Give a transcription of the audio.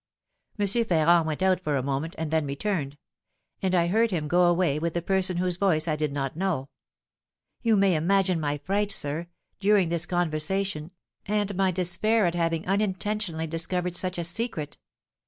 M. Ferrand went out for a moment, and then returned; and I heard him go away with the person whose voice I did not know. You may imagine my fright, sir, during this conversation, and my despair at having unintentionally discovered such a secret.